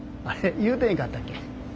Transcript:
言うてへんかったっけ？